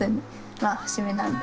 まあ節目なんで。